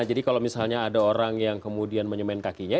jadi kalau misalnya ada orang yang kemudian menyemen kakinya